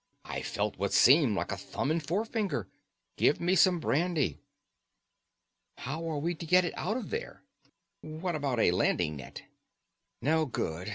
I felt what seemed like a thumb and forefinger. Give me some brandy." "How are we to get it out of there?" "What about a landing net?" "No good.